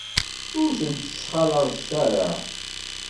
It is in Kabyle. Ur ten-ttxalaḍet ara.